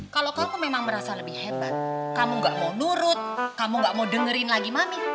kalau kamu memang merasa lebih hebat kamu gak mau nurut kamu gak mau dengerin lagi mami